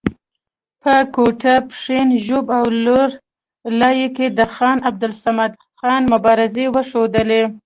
په کوټه، پښین، ژوب او لور لایي کې د خان عبدالصمد خان مبارزې وښودلې.